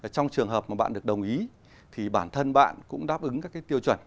trong trường hợp mà bạn được đồng ý thì bản thân bạn cũng đáp ứng các tiêu chuẩn